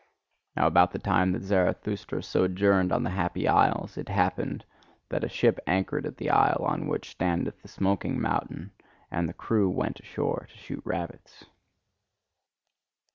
Now about the time that Zarathustra sojourned on the Happy Isles, it happened that a ship anchored at the isle on which standeth the smoking mountain, and the crew went ashore to shoot rabbits.